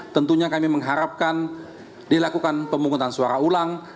tentunya kami mengharapkan dilakukan pemungutan suara ulang